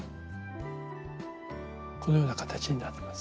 このような形になってます。